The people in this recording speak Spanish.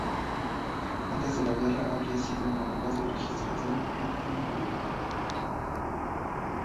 Antes de la guerra, había sido un abogado y registrador en Newbury.